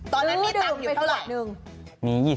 ตอนนั้นมีตังค์อยู่เท่าไหร่นึง